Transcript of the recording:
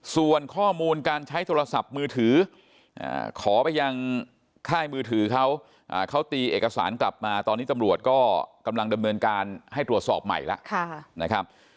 ส่วนข้อมูลการใช้โทรศัพท์มือถือขอไปยังค่ายมือถือเขาเขาตีเอกสารกลับมาตอนนี้ตำรวจก็กำลังดำเนินการให้ตรวจสอบใหม่แล้วนะครับ